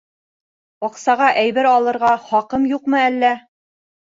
Аҡсаға әйбер алырға хаҡым юҡмы әллә?